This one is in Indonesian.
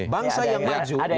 bangsa yang maju